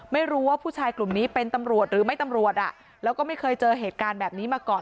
ไม่รู้ว่าผู้ชายกลุ่มนี้เป็นตำรวจหรือไม่ตำรวจอ่ะแล้วก็ไม่เคยเจอเหตุการณ์แบบนี้มาก่อน